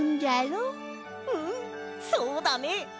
うんそうだね！